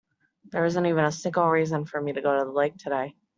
There isn't even a single reason for me to go to the lake today.